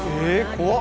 怖っ！